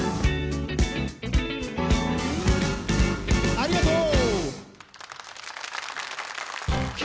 ありがとう！